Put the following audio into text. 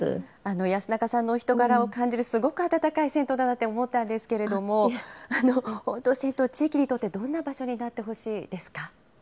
安中さんのお人柄を感じるすごく温かい銭湯だなって思ったんですけれども、本当、銭湯、地域にとってどんな場所になってほしいですか。